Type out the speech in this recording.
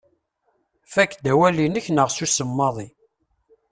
Fakk-d awal-ik neɣ susem maḍi.